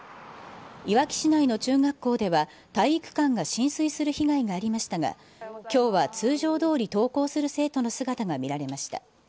いわき市内の中学校では、体育館が浸水する被害がありましたが、きょうは通常どおり登校する生徒の姿が見られました。